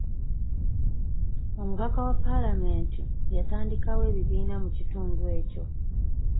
Omubaka wa paalamenti yatandikawo ebibiina mu kitundu ekyo.